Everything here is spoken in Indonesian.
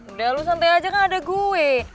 udah lo santai aja kan ada gue